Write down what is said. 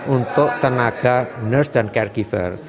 untuk tenaga nurs dan caregiver